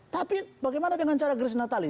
tapi bagaimana dengan cara grace natali